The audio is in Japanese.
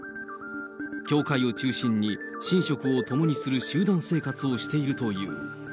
教会を中心に寝食を共にする集団生活をしているという。